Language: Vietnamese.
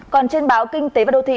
còn trên báo kinh tế và đô thị